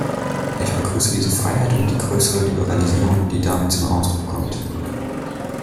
Ich begrüße diese Freiheit und die größere Liberalisierung, die damit zum Ausdruck kommt.